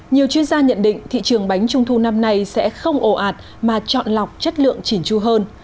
nhiều chuyên gia nhận định thị trường bánh trung thu năm nay sẽ không ồ ạt mà chọn lọc chất lượng chỉn chu hơn